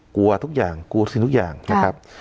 กลัวทุกอย่างกลัวสิ่งทุกอย่างนะครับ